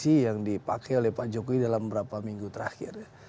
apa sih yang dipakai oleh pak jokowi dalam beberapa minggu terakhir